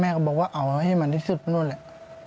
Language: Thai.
ก็บอกว่าเอาให้มันที่สุดนู่นแหละ